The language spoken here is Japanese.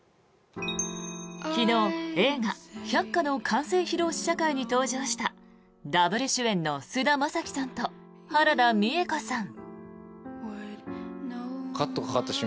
昨日、映画「百花」の完成披露試写会に登場したダブル主演の菅田将暉さんと原田美枝子さん。